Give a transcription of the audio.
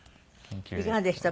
いかがでした？